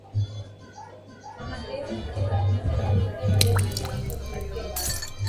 Son abundantes en zonas de cicatrización y en el ligamento periodontal.